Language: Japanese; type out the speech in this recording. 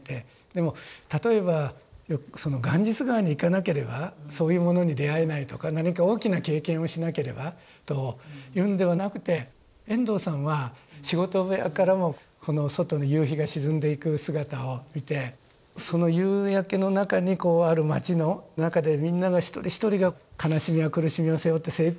でも例えばガンジス河に行かなければそういうものに出会えないとか何か大きな経験をしなければというんではなくて遠藤さんは仕事部屋からも外の夕日が沈んでいく姿を見てその夕焼けの中にこうある町の中でみんなが一人一人が悲しみや苦しみを背負って精いっぱい生きていると。